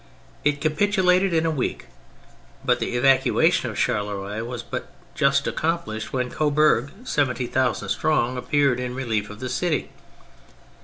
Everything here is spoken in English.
It capitu lated in a week. But the evacuation of Charleroi was but just accomplished when Coburg, seventy thousand strong, appeared in relief of the city.